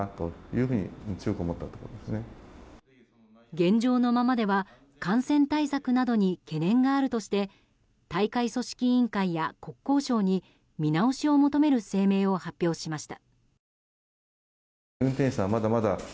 現状のままでは感染対策などに懸念があるとして大会組織委員会や国交省に見直しを求める声明を発表しました。